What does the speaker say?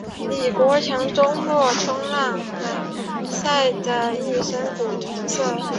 李国强周末冲浪去了，晒得一身古铜色。